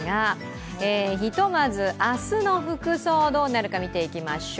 過ごしづらいなとなってきますが、ひとまず明日の服装どうなるか見ていきましょう。